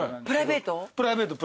プライベートで。